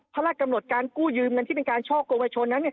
พระราชกำหนดการกู้ยืมเงินที่เป็นการช่อกงวชนนั้น